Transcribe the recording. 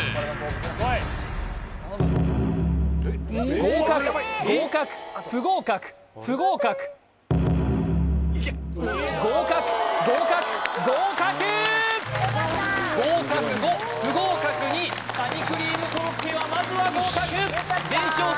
合格合格不合格不合格合格合格合格合格５不合格２カニクリームコロッケはまずは合格前哨戦